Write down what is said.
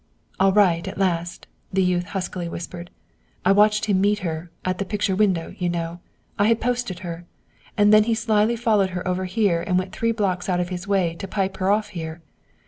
"All right, at last!" the youth huskily whispered. "I watched him meet her, at the picture window, you know. I had posted her! And then he slyly followed her over here and went three blocks out of his way to pipe her off here!